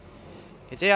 ＪＲ